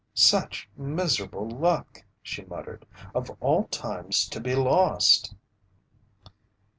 "Such miserable luck!" she muttered. "Of all times to be lost!"